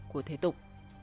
của thế tục